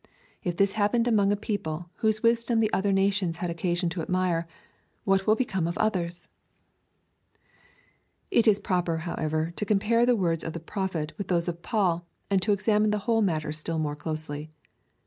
If this happened among a people, whose wisdom the other nations had occa sion to admire, what will become of others V It is proper, however, to compare the words of the Pro phet with those of Paul, and to examine the whole matter still more closely.